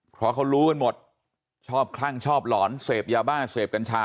เพราะเขารู้กันหมดชอบคลั่งชอบหลอนเสพยาบ้าเสพกัญชา